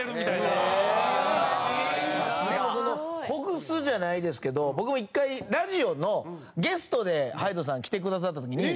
ほぐすじゃないですけど僕も１回ラジオのゲストでｈｙｄｅさんが来てくださった時に。